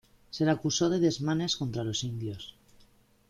Se le acusó de desmanes contra los indios.